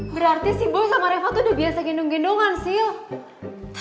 berarti si boy sama reva tuh udah biasa gendung dua an sila